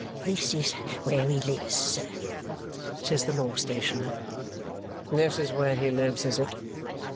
"This is where he lives, sir," says the law stationer. "This is where he lives, is it?"